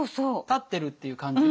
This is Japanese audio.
立ってるっていう感じ。